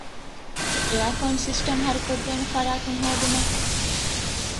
އެއާރކޯން ސިސްޓަމް ހަރުކޮށްދޭނެ ފަރާތެއް ހޯދުމަށް